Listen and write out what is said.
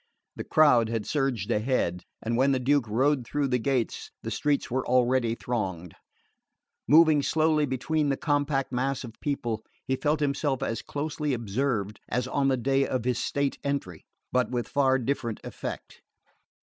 The crowd had surged ahead, and when the Duke rode through the gates the streets were already thronged. Moving slowly between the compact mass of people he felt himself as closely observed as on the day of his state entry; but with far different effect.